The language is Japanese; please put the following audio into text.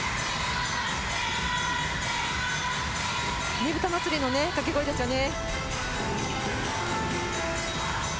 ねぶた祭の掛け声ですよね。